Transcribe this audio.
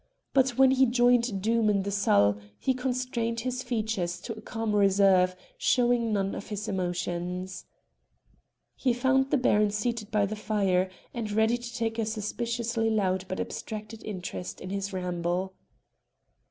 But when he joined Doom in the salle he constrained his features to a calm reserve, showing none of his emotions. He found the Baron seated by the fire, and ready to take a suspiciously loud but abstracted interest in his ramble.